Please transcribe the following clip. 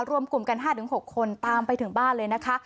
รวมกลุ่มกัน๕๖คนตามไปถึงบ้านเลยนะคะ